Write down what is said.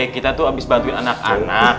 kita tuh abis bantuin anak anak